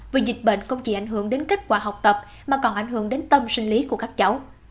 vì dịch bệnh không chỉ ảnh hưởng đến kết quả học tập mà còn ảnh hưởng đến tâm sinh lý của các cháu